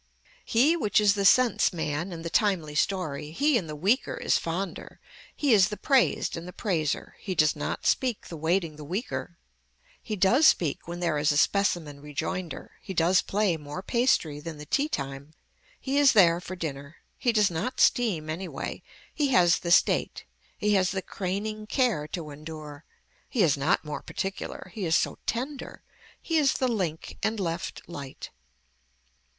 He which is the sense man in the timely story, he and the weaker is fonder, he is the praised and the praiser, he does not speak the waiting the weaker. He does speak when there is a specimen rejoinder. He does play more pastry than the tea time. He is there for dinner. He does not steam anyway. He has the state. He has the craning care to endure. He is not more particular. He is so tender. He is the link and left light.